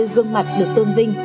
hai mươi gương mặt được tôn vinh